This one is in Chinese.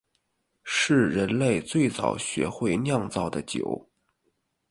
是人类最早学会酿造的酒。